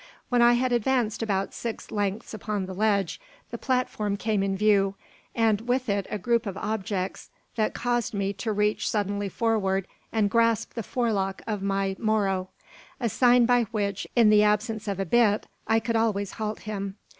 When I had advanced about six lengths upon the ledge, the platform came in view, and with it a group of objects that caused me to reach suddenly forward and grasp the forelock of my Moro a sign by which, in the absence of a bit, I could always halt him.